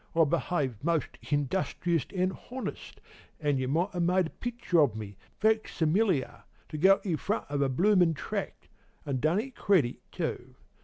I behaved most industrious an' honest, an' you might ha' made a picture of me, facsimiliar, to go in front of a bloomin' tract, an' done it credit, too.